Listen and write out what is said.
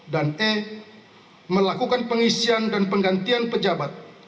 dan e melakukan pengisian dan penggantian pejabat